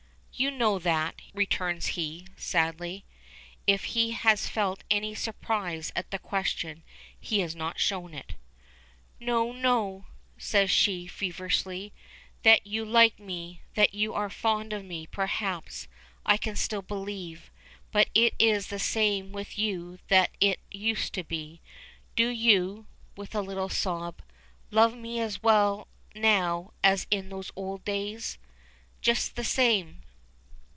"You know that," returns he, sadly. If he has felt any surprise at the question he has not shown it. "No, no," says she, feverishly. "That you like me, that you are fond of me, perhaps, I can still believe. But is it the same with you that it used to be? Do you," with a little sob, "love me as well now as in those old days? Just the same!